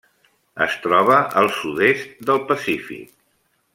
Es troba al sud-est del Pacífic.